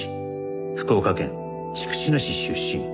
福岡県筑紫野市出身